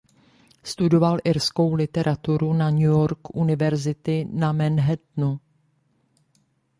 Studoval irskou literaturu na New York University na Manhattanu.